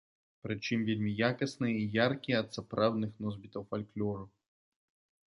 Пры чым вельмі якасныя і яркія ад сапраўдных носьбітаў фальклору.